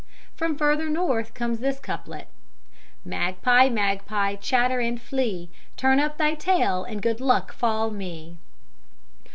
From further north comes this couplet: "Magpie, magpie, chatter and flee, Turn up thy tail, and good luck fall me."